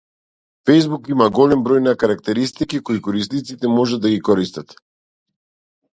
Фејсбук има голем број на карактеристики кои корисниците можат да ги користат.